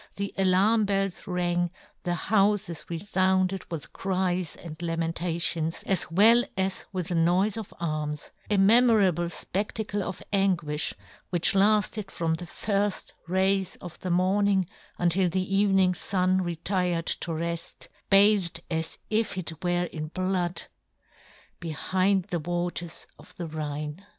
the alarm bells rang, the houfes re founded with cries and lamentations, as well as with the noife of arms ; a memorable fpedtacle of anguifh which lafted from the firft rays of the morning until the evening fun retired to reft, bathed as it were in blood, behind the waters of the Rhine.